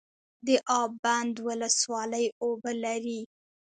د اب بند ولسوالۍ اوبه لري